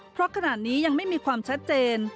เพราะขณะนี้ยังไม่มีความชัดเจน